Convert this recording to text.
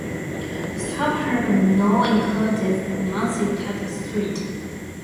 The suburb now includes "Nancy Cato Street".